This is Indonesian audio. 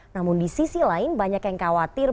namun di sisi lain banyak yang khawatir